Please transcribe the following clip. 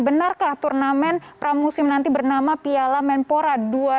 benarkah turnamen pramusim nanti bernama piala menpora dua ribu dua puluh